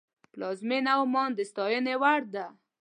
پلازمینه عمان د ستاینې وړ ده.